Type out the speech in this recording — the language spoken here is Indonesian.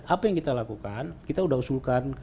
apa yang kita lakukan kita sudah usulkan